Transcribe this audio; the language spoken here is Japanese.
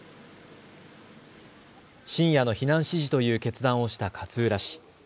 深夜の避難指示という決断をした勝浦市。